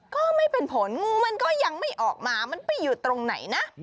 ก็ไม่เป็นผลงูมันก็ยังไม่ออกมามันไปอยู่ตรงไหนนะ